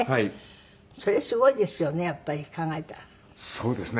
そうですね。